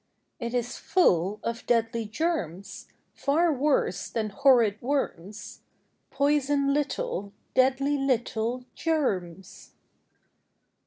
" It is full of deadly germs, Far worse than horrid worms— Poison little, Deadly little Germs!